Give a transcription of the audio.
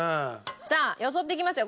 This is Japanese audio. さあよそっていきますよ。